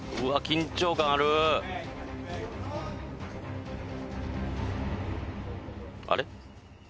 緊張感あるあれ？